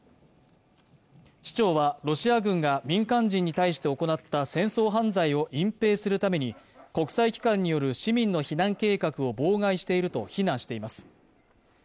市長はロシア軍が民間人に対して行なった戦争犯罪を隠蔽するために国際機関による市民の避難計画を妨害していると非難しています